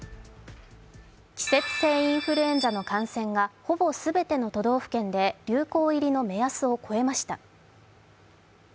季節性インフルエンザの感染がほぼ全ての都道府県で流行入りの目安を超えました。